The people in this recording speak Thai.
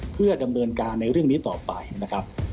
เพื่อดำเนินการในเรื่องนี้ต่อไปนะครับ